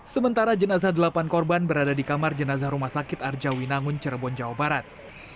sementara jenazah delapan korban berada di kamar jenazah rumah sakit arjawinangun cirebon jawa barat